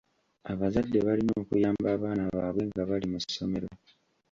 Abazadde balina okuyamba abaana baabwe nga bali mu ssomero.